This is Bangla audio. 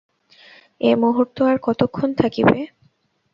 এ মুহূর্ত আর কতক্ষণ থাকিবে?